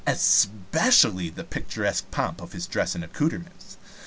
Especially the picturesque pomp of his dress and accoutrements.